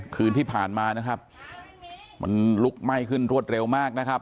คืนที่ผ่านมานะครับมันลุกไหม้ขึ้นรวดเร็วมากนะครับ